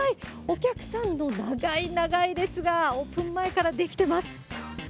お客さんの長い長い列が、オープン前から出来てます。